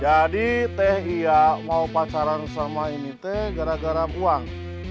jadi teh iya mau pacaran sama ini teh gara gara uang